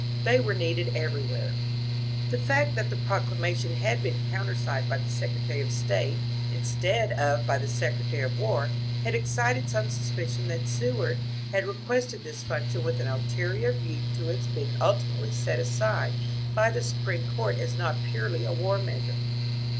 They were needed everywhere. The fact that the proclamation had been countersigned by the Secretary of State instead of by the Secretary of War had excited some suspicion tiiat Seward had requested this func tion with an ulterior view to its being ultimately set aside by the Supreme Court as not purely a war measure.